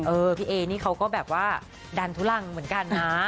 พี่เอนี่เขาก็แบบว่าดันทุลังเหมือนกันนะ